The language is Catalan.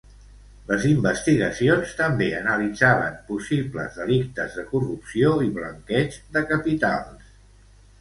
Les investigacions també analitzaven possibles delictes de corrupció i blanqueig de capitals.